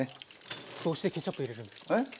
どうしてケチャップ入れるんですか？